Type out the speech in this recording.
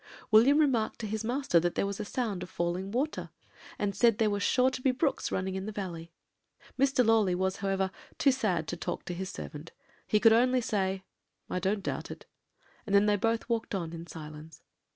"William remarked to his master that there was a sound of falling water, and said there were sure to be brooks running in the valley. Mr. Lawley was, however, too sad to talk to his servant; he could only say, 'I don't doubt it,' and then they both walked on in silence.